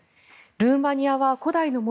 ルーマニアは古代の森。